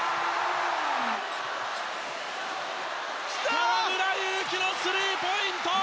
河村勇輝のスリーポイント！